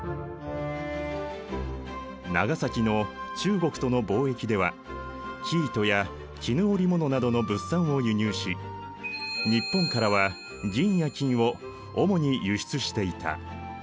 長崎の中国との貿易では生糸や絹織物などの物産を輸入し日本からは銀や金を主に輸出していた。